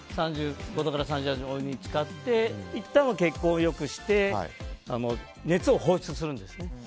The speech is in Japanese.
３５度から３８度のお湯につかっていったんは血行を良くして熱を放出するんですね。